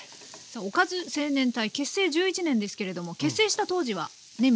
さあおかず青年隊結成１１年ですけれども結成した当時はね